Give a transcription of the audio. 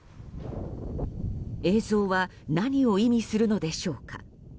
映像は何を意味するのでしょうか。